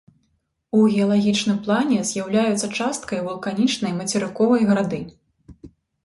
У геалагічным плане з'яўляюцца часткай вулканічнай мацерыковай грады.